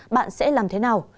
bạn sẽ làm thế nào